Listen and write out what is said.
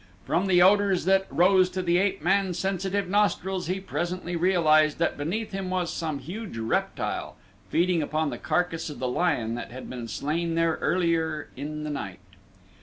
From the odors that rose to the ape man's sensitive nostrils he presently realized that beneath him was some huge reptile feeding upon the carcass of the lion that had been slain there earlier in the night.